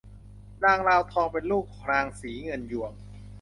นางลาวทองเป็นลูกนางศรีเงินยวง